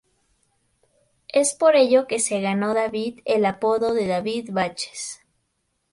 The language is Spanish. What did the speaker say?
Es por ello que se ganó David el apodo de "David Baches".